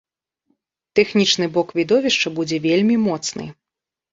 Тэхнічны бок відовішча будзе вельмі моцны.